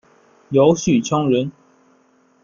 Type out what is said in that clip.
姚绪羌人。